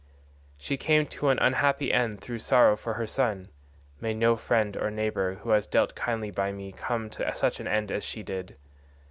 She came to an unhappy end133 through sorrow for her son: may no friend or neighbour who has dealt kindly by me come to such an end as she did.